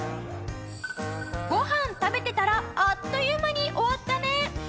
ご飯食べてたらあっという間に終わったね。